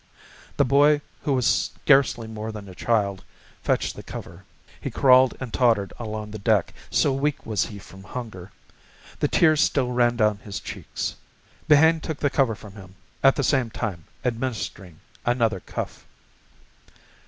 The boy, who was scarcely more than a child, fetched the cover. He crawled and tottered along the deck, so weak was he from hunger. The tears still ran down his cheeks. Behane took the cover from him, at the same time administering another cuff.